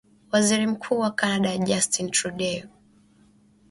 Waziri mkuu wa Canada Justin Trudeau